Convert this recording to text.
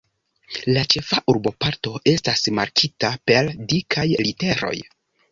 La ĉefa urboparto estas markita per dikaj literoj.